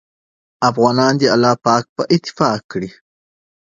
افغانان دې الله پاک په اتفاق کړي